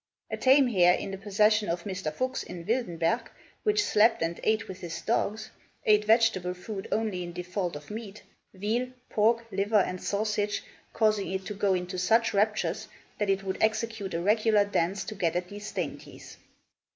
A tame hare, in the possession of Mr. Fuchs in Wildenberg, which slept and ate with his dogs, ate vegetable food only in default of meat veal, pork, liver, and sausage causing it to go into such raptures that it would execute a regular dance to get at these dainties.